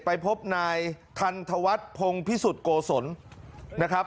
ไปพบนายทันทวัฒน์พงพิสุทธิ์โกศลนะครับ